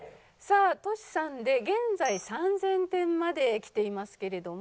さあトシさんで現在３０００点まできていますけれども。